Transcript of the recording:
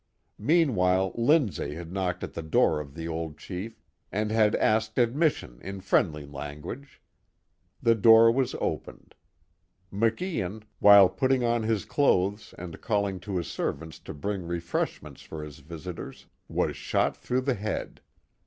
Meanwhile Lindsay had knocked at the door of the old chief and had asked admission in friendly language. The door was opened. Macian, while pulling on his clothes, and calling to his servants 10 bring refreshments for his visitors, was shot through the head.